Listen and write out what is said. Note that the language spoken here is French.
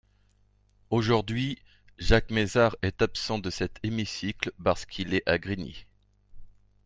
Aujourd’hui, Jacques Mézard est absent de cet hémicycle parce qu’il est à Grigny.